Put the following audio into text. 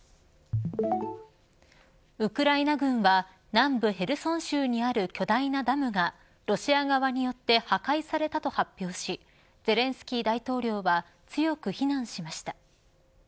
ウクライナ軍は南部ヘルソン州にある巨大なダムがロシア側によって破壊されたと発表しゼレンスキー大統領は強く非難しました。